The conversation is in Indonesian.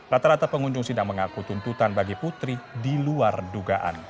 rata rata pengunjung sidang mengaku tuntutan bagi putri di luar dugaan